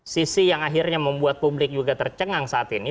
sisi yang akhirnya membuat publik juga tercengang saat ini